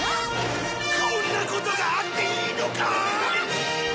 こんなことがあっていいのか！？